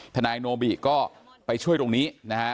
ทนายโนบิก็ไปช่วยตรงนี้นะฮะ